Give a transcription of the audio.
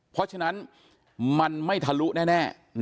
เพราะฉะนั้นมันไม่ทะลุแน่